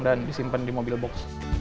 dan disimpan di mobil box